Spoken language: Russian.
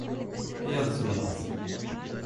Я засмеялся.